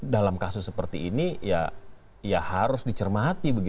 dalam kasus seperti ini ya harus dicermati